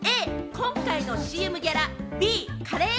今回のＣＭギャラ、Ｂ・カレー。